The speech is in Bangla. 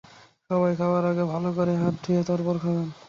সবাই খাবার আগে ভালো করে হাত ধুয়ে তারপর খাবেন।